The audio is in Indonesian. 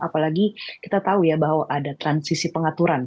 apalagi kita tahu ya bahwa ada transisi pengaturan